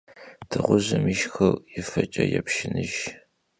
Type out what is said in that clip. Dığujım yişşxır yi feç'e yêpşşınıjj.